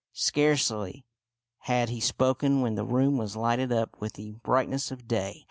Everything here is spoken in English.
Scarcely had he spoken when the room was lighted up with the brightness of day.